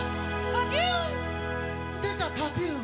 パピューン！